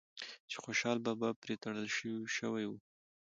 چې خوشحال بابا پرې تړل شوی و